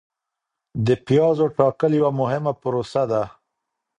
د پیازو ټاکل یوه مهمه پروسه ده.